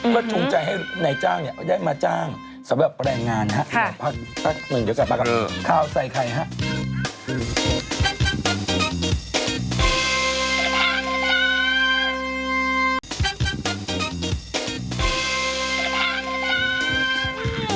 ก็ชุมใจให้ในจ้างเนี่ยได้มาจ้างสำหรับแรงงานครับสักหนึ่งเดี๋ยวกลับมากับข้าวใส่ไข่ครับ